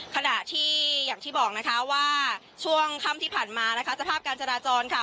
ขณะที่อย่างที่บอกนะคะว่าช่วงค่ำที่ผ่านมานะคะสภาพการจราจรค่ะ